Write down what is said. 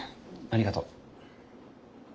ありがとう。